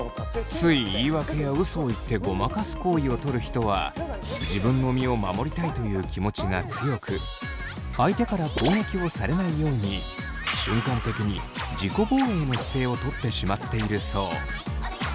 つい言い訳やうそを言ってごまかす行為をとる人は自分の身を守りたいという気持ちが強く相手から攻撃をされないように瞬間的に自己防衛の姿勢をとってしまっているそう。